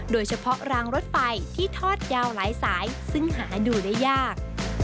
โดยเฉพาะรางรถไฟที่ทอดยาวหลายสายซึ่งหาดูได้ยาก